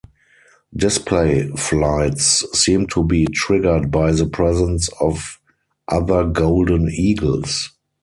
Display flights seem to be triggered by the presence of other golden eagles.